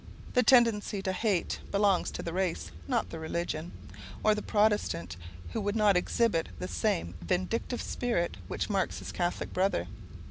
The tendency to hate belongs to the race, not to the religion, or the Protestant would not exhibit the same vindictive spirit which marks his Catholic brother.